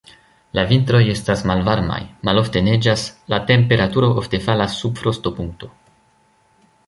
La vintroj estas malvarmaj, malofte neĝas, la temperaturo ofte falas sub frostopunkto.